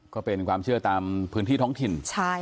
ก็เป็นความเชื่อตามพื้นที่ท้องถิ่น